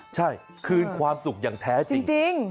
ใช่คืนความสุขอย่างแท้จริง